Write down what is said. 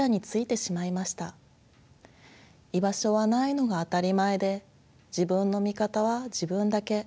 居場所はないのが当たり前で自分の味方は自分だけ。